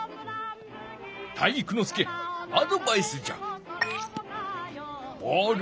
体育ノ介アドバイスじゃ。